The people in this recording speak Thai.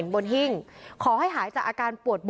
วิทยาลัยศาสตรี